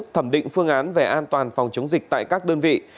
thẩm định phương án về an toàn phòng chống dịch tại các đơn vị